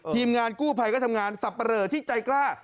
ทีมงานกู้ภัยก็ทำงานสับปะเหลอที่ใจกล้า